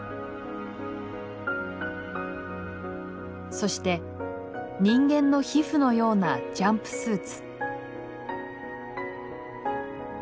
そして人間の皮膚のようなジャンプスーツ。